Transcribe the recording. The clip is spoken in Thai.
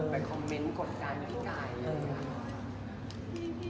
ไปคอมเม้นต์กฎการณ์พี่ไก่